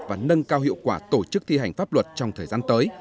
và nâng cao hiệu quả tổ chức thi hành pháp luật trong thời gian tới